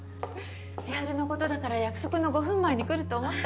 千晴のことだから約束の５分前に来ると思った。